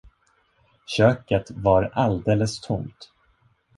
Köket var alldeles tomt.